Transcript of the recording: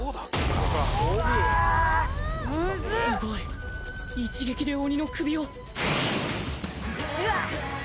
「すごい一撃で鬼の首を」